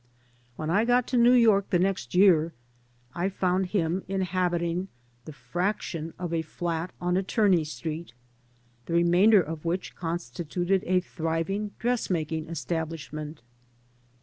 When I got to New York the next year I 25 AN AMERICAN IN THE MAKING f found him inhabiting the fraction of a flat on Attorn^ Street, the remainder of which constituted a thriving dressmaking establishment.